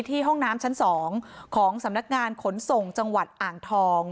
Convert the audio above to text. ห้องน้ำชั้น๒ของสำนักงานขนส่งจังหวัดอ่างทอง